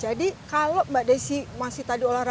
jadi kalau mbak desy masih tadi olahraga